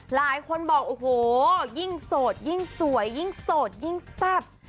หลายคนบอกโอ้โหยิ่งโสดยิ่งสวยยิ่งโสดยิ่งแซ่บ